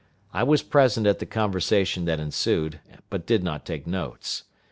I was present at the conversation that ensued, but did not take notes.